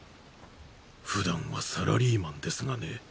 普段はサラリーマンですがね。